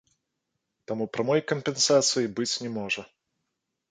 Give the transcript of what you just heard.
Таму прамой кампенсацыі быць не можа.